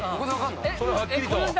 それをはっきりと。